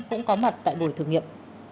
cũng có mặt tại buổi thực nghiệm